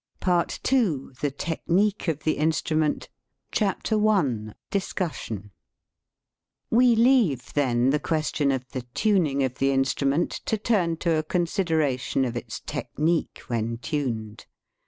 PART II THE TECHNIQUE OF THE INSTRUMENT DISCUSSION WE leave, then, the question of the tuning of the instrument to turn to a considera tion of its technique when tuned.